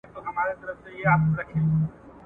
مرګه ستا په پسته غېږ کي له آرامه ګیله من یم `